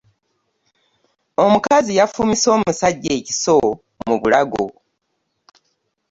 Omukazi yafumise omusajja ekiso mu bulago.